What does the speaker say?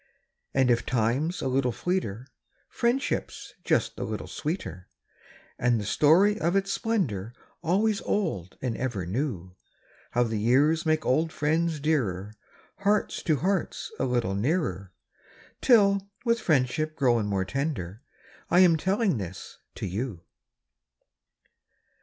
y\AJD if time's a little / V fleeter, friendship s just a little sxx>eeter, And the storp o" its splendor AlvOaps old and eVer neu); Hovc> the pears make old friends dearet~, Hearts to hearts a little nearer Till voith friendship pro>xm more tender I am tellina this to ou.